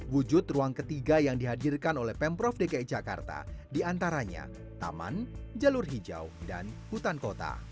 wujud ruang ketiga yang dihadirkan oleh pemprov dki jakarta diantaranya taman jalur hijau dan hutan kota